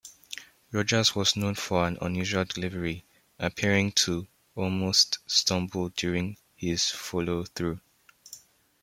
Rogers was known for an unusual delivery, appearing to almost stumble during his follow-through.